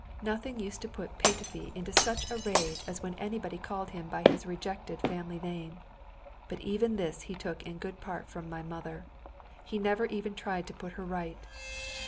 Nothing used to put Petöfi into such a rage as when anybody called him by his rejected family name. But even this he took in good part from my mother. He never even tried to put her right.